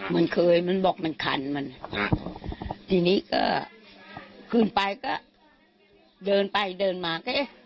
มันเคยมันบอกมันคันมันทีนี้ก็ขึ้นไปก็เดินไปเดินมาก็เอ๊ะ